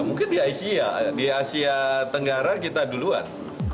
mungkin di asia di asia tenggara kita duluan